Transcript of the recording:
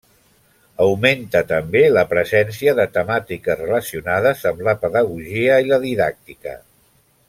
Augmenta, també la presència de temàtiques relacionades amb la pedagogia i la didàctica.